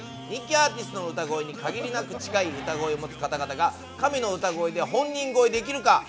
人気アーティストの歌声に限りなく近い歌声を持つ方々が神の歌声で本人超えできるか？